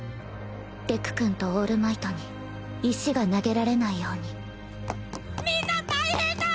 デクくんとオールマイトに石が投げられないようにみんな大変だ！